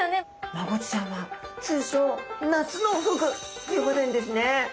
マゴチちゃんは通称夏のフグって呼ばれるんですね。